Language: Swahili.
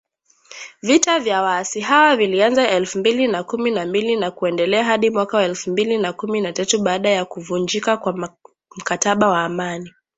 Vita vya waasi hawa vilianza elfu mbili na kumi na mbili na kuendelea hadi mwaka elfu mbili na kumi na tatu baada ya kuvunjika kwa mkataba wa amani